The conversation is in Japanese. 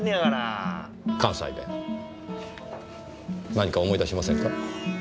何か思い出しませんか？